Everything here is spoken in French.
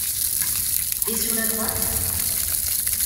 Et sur la droite ?